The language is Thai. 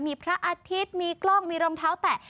มีพระอาทิตย์มีกล้องมีรองเท้าแตะ